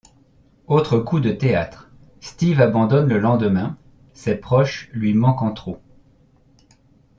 Autre coup de théâtre, Steve abandonne le lendemain, ses proches lui manquant trop.